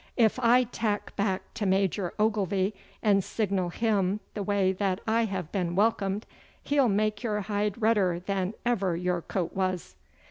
If I tack back to Major Ogilvy and signal him the way that I have been welcomed, he'll make your hide redder than ever your coat was.